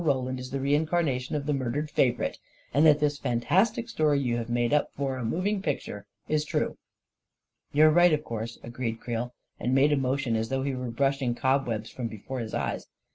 Roland is the reincarnation of the murdered favorite, and that this fantastic story you have made up for a moving picture is true I "" You're right, of course," agreed Creel, and made a motion as though he were brushing cobwebs A KING IN BABYLON 271 from before his eyes.